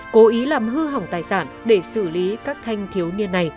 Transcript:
cố ý làm hư hỏng tài sản để xử lý các thanh thiếu niên này